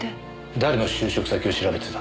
誰の就職先を調べてたんです？